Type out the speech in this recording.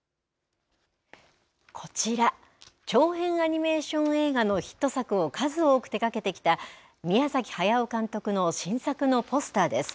こちら長編アニメーション映画のヒット作を数多く手がけてきた宮崎駿監督の新作のポスターです。